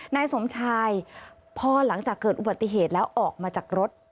นายสมชายพอหลังจากเกิดอุบัติเหตุแล้วออกมาจากรถ